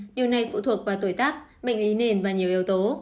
điều này phụ thuộc vào tuổi tắc bệnh ý nền và nhiều yếu tố